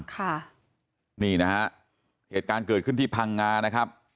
ค่ะนี่นะฮะเหตุการณ์เกิดขึ้นที่พังงานะครับ